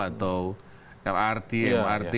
atau lrt mrt